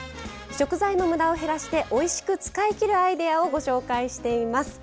食材の無駄を減らしておいしく使い切るアイデアをご紹介しています。